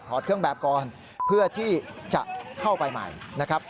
เครื่องแบบก่อนเพื่อที่จะเข้าไปใหม่นะครับ